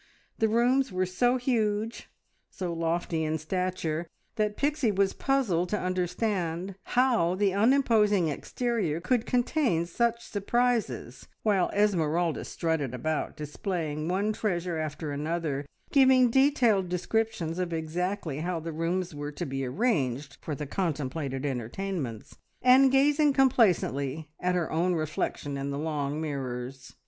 The rooms were so huge, so lofty in stature, that Pixie was puzzled to understand how the unimposing exterior could contain such surprises, while Esmeralda strutted about displaying one treasure after another, giving detailed descriptions of exactly how the rooms were to be arranged for the contemplated entertainments, and glancing complacently at her own reflection in the long mirrors.